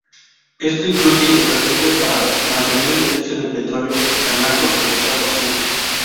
Esto incluye estrategias para mantener el precio del petróleo tan altos como sea posible.